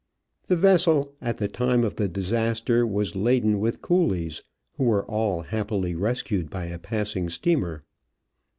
The vessel at the time of the disaster was laden with coolies, who were all happily rescued by a passing steamer.